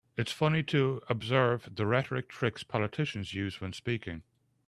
It's funny to observe the rhetoric tricks politicians use when speaking.